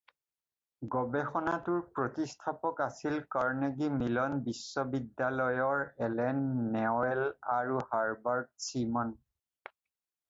গৱেষণাটোৰ প্ৰতিষ্ঠাপক আছিল কাৰ্নেগি মিলন বিশ্ববিদ্যালয়ৰ এলেন নেৱেল আৰু হাৰবাৰ্ট ছিমন।